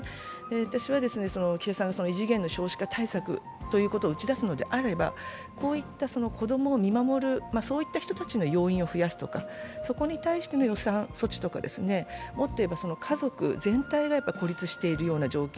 私は岸田さんが異次元の少子化対策ということを打ち出すのであればこういった子供を見守る人たちの要員を増やすとかそこに対しての予算措置とか、もっといえば家族、全体が孤立しているような状況。